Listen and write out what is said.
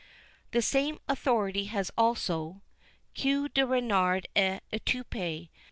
The same authority has also: "Queue de renard à étouper.